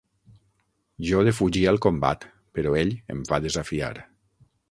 Jo defugia el combat, però ell em va desafiar.